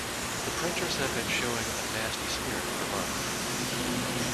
The printers have been showing a nasty spirit for months.